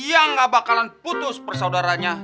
yang gak bakalan putus persaudaranya